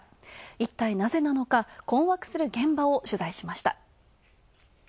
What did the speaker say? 一体なぜなのか、困惑する現場を取材しました。